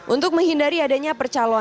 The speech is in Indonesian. untuk menghindari adanya percalonan